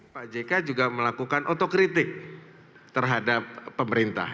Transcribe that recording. pak jk juga melakukan otokritik terhadap pemerintah